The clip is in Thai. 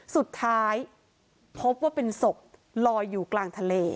สุดท้ายพบว่าเป็นศพลอยอยู่กลางทะเล